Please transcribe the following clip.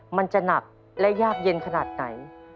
มันจะหนักและยากเย็นขนาดไหน